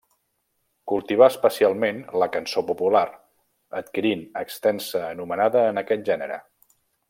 Cultivà especialment la cançó popular, adquirint extensa anomenada en aquest gènere.